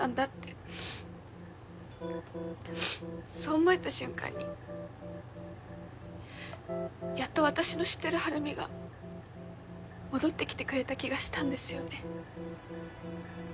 ううっそう思えた瞬間にやっと私の知ってる晴美が戻ってきてくれた気がしたんですよね。